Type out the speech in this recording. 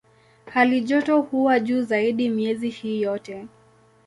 Halijoto huwa juu zaidi miezi hii yote.